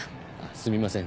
すみません